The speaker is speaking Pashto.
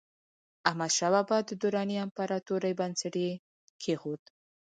احمدشاه بابا د دراني امپراتورۍ بنسټ یې کېښود.